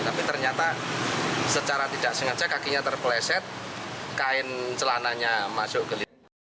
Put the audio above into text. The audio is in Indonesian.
tapi ternyata secara tidak sengaja kakinya terpleset kain celananya masuk ke